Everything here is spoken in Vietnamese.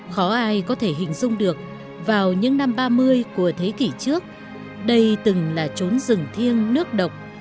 khó ai có thể hình dung được vào những năm ba mươi của thế kỷ trước đây từng là trốn rừng thiêng nước độc